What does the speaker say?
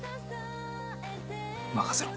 任せろ。